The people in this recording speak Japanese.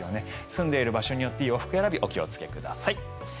住んでいる場所によって洋服選び、お気をつけください。